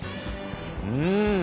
うん。